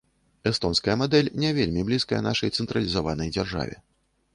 Эстонская мадэль не вельмі блізкая нашай цэнтралізаванай дзяржаве.